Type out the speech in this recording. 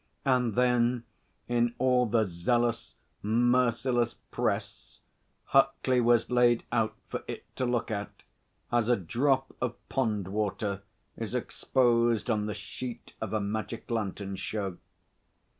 And then, in all the zealous, merciless press, Huckley was laid out for it to look at, as a drop of pond water is exposed on the sheet of a magic lantern show.